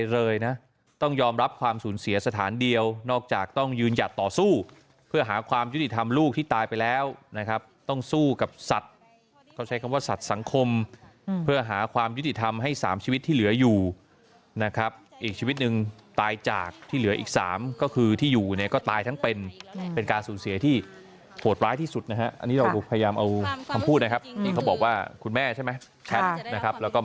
รับความสูญเสียสถานเดียวนอกจากต้องยืนหยัดต่อสู้เพื่อหาความยุติธรรมลูกที่ตายไปแล้วนะครับต้องสู้กับสัตว์เขาใช้คำว่าสัตว์สังคมเพื่อหาความยุติธรรมให้สามชีวิตที่เหลืออยู่นะครับอีกชีวิตหนึ่งตายจากที่เหลืออีกสามก็คือที่อยู่เนี้ยก็ตายทั้งเป็นเป็นการสูญเสียที่โหดร้ายที่สุดนะฮะอ